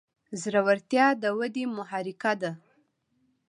زړورتیا د ودې محرکه ده.